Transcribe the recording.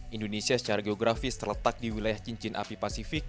indonesia secara geografis terletak di wilayah cincin api pasifik